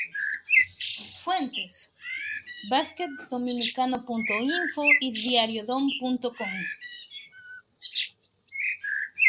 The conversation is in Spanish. Fuentes: BasketDominicano.info y Diariodom.com